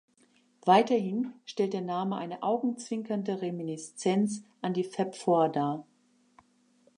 Weiterhin stellt der Name eine augenzwinkernde Reminiszenz an die Fab Four dar.